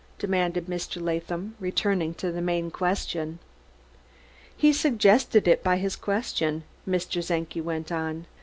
demanded Mr. Latham, returning to the main question. "He suggested it by his question," Mr. Czenki went on.